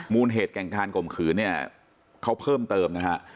เหตุแก่งการข่มขืนเนี่ยเขาเพิ่มเติมนะฮะ